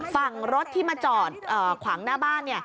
ฝั่งรถที่มาจอดขวางหน้าบ้านเนี่ย